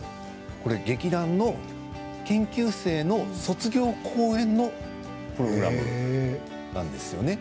劇団の研究生の卒業公演のプログラムなんですよね。